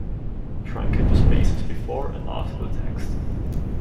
Truncate the spaces before and after the text.